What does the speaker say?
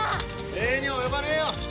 礼には及ばねえよ。